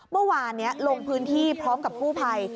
เมื่อวานนี้ลงพื้นที่พร้อมกับกู้ภัย